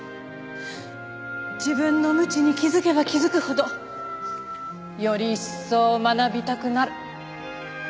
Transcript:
自分の無知に気づけば気づくほどより一層学びたくなる。